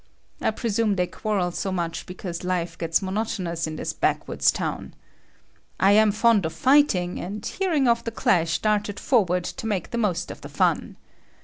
I presume they quarrel so much because life gets monotonous in this backwoods town. I am fond of fighting, and hearing of the clash, darted forward to make the most of the fun.